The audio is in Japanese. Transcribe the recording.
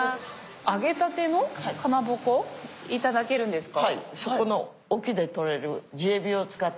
揚げたてのかまぼこをいただけるんですか？